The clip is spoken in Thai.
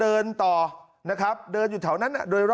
มึงอยากให้ผู้ห่างติดคุกหรอ